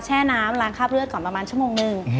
แช่น้ำล้างคราบเลือดก่อนประมาณชั่วโมงหนึ่ง